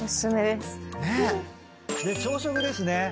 で朝食ですね。